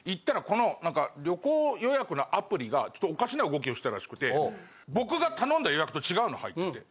この旅行予約のアプリがちょっとおかしな動きをしたらしくて僕が頼んだ予約と違うの入ってて。